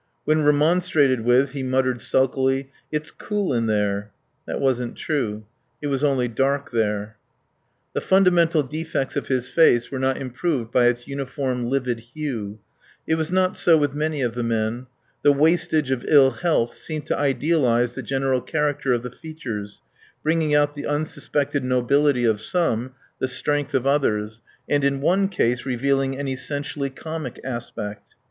When remonstrated with, he muttered sulkily, "It's cool in there." That wasn't true. It was only dark there. The fundamental defects of his face were not improved by its uniform livid hue. The disease disclosed its low type in a startling way. It was not so with many of the men. The wastage of ill health seemed to idealise the general character of the features, bringing out the unsuspected nobility of some, the strength of others, and in one case revealing an essentially comic aspect.